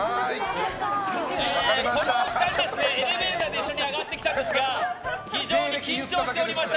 このお二人、エレベーターで一緒に上がってきたんですが非常に緊張しておりました。